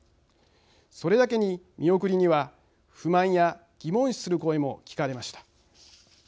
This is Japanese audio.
それだけに見送りには不満や疑問視する声も聞かれました。